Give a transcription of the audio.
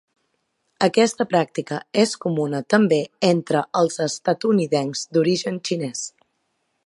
Aquesta pràctica és comuna també entre els estatunidencs d'origen xinès.